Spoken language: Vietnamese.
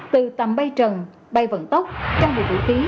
từ tầm bay trần bay vận tốc trang bị vũ khí